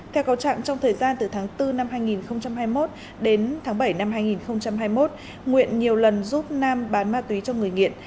theo cáo trạng trong thời gian từ tháng bốn năm hai nghìn hai mươi một đến tháng bảy năm hai nghìn hai mươi một nguyễn nhiều lần giúp nam bán ma túy cho người nghiện